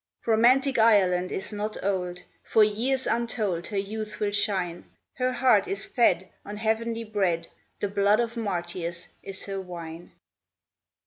Romantic Ireland is not old. For years untold her youth will shine. Her heart is fed on Heavenly bread, The blood of martyrs is her wine.